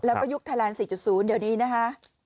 แล้วก็ยุคไทยแลนด์๔๐เดี๋ยวนี้นะคะ